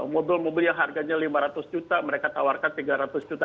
mobil mobil yang harganya lima ratus juta mereka tawarkan tiga ratus juta